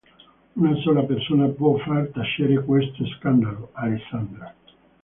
Una sola persona può far tacere questo scandalo: Alessandra.